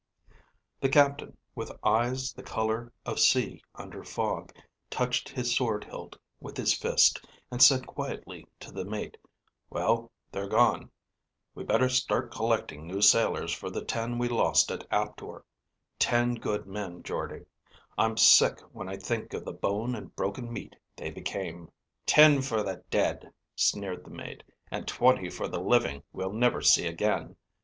The captain, with eyes the color of sea under fog, touched his sword hilt with his fist and said quietly to the mate, "Well, they're gone. We better start collecting new sailors for the ten we lost at Aptor. Ten good men, Jordde. I'm sick when I think of the bone and broken meat they became." "Ten for the dead," sneered the mate, "and twenty for the living we'll never see again.